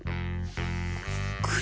これ。